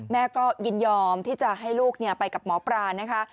แม่ก็ยินยอมที่จะให้ลูกไปกับหมอปลานะคะ